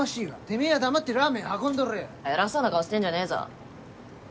てめえは黙ってラーメン運んでろや偉そうな顔してんじゃねえぞ